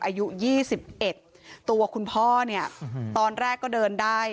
อายุยี่สิบเอ็ดตัวคุณพ่อเนี้ยอืมตอนแรกก็เดินได้